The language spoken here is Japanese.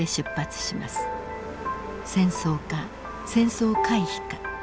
戦争か戦争回避か。